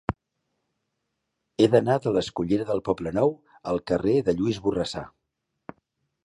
He d'anar de la escullera del Poblenou al carrer de Lluís Borrassà.